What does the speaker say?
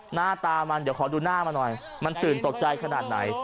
หน้าตามันเดี๋ยวขอดูหน้ามาหน่อยมันตื่นตกใจขนาดไหน